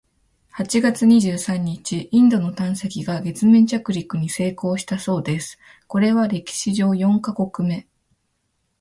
八月二十三日、インドの探査機が月面着陸に成功したそうです！（これは歴史上四カ国目！）